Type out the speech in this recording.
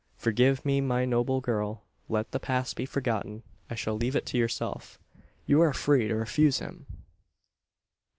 Forgive me, my noble girl! Let the past be forgotten. I shall leave it to yourself. You are free to refuse him!"